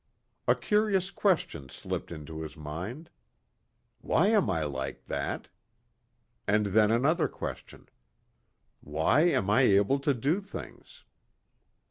A curious question slipped into his mind. "Why am I like that?" And then another question, "Why am I able to do things?"